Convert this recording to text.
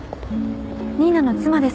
新名の妻です。